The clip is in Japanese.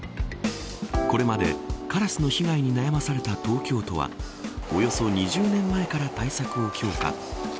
これまでカラスの被害に悩まされた東京都はおよそ２０年前から対策を強化。